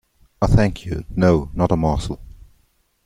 I thank you, no, not a morsel.